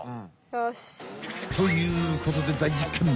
よし！ということで大実験！